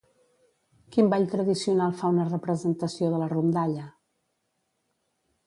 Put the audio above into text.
Quin ball tradicional fa una representació de la rondalla?